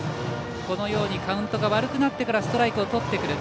このようにカウントが悪くなってからストライクをとってくる。